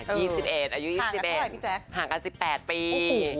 อายุ๒๑ห่างกัน๑๘ปี